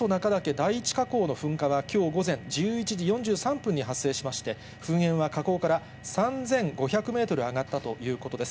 第１火口の噴火はきょう午前１１時４３分に発生しまして、噴煙は火口から３５００メートル上がったということです。